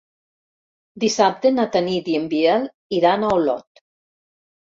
Dissabte na Tanit i en Biel iran a Olot.